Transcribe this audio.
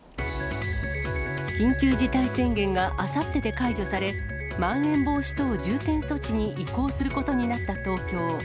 緊急事態宣言があさってで解除され、まん延防止等重点措置に移行することになった東京。